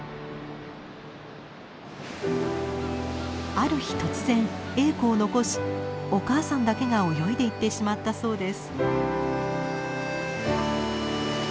ある日突然エーコを残しお母さんだけが泳いでいってしまったそうです。